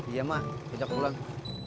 iya mak kejak pulang